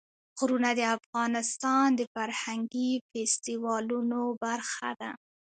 غرونه د افغانستان د فرهنګي فستیوالونو برخه ده.